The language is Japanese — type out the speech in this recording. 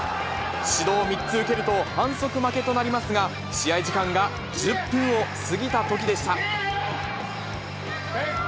指導３つ受けると反則負けとなりますが、試合時間が１０分を過ぎたときでした。